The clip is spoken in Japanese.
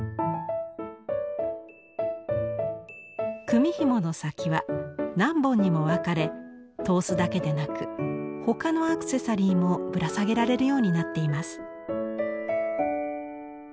組みひもの先は何本にも分かれ刀子だけでなく他のアクセサリーもぶら下げられるようになっています。